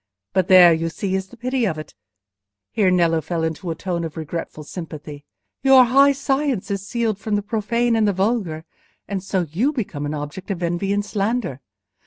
But there, you see, is the pity of it,"—here Nello fell into a tone of regretful sympathy—"your high science is sealed from the profane and the vulgar, and so you become an object of envy and slander.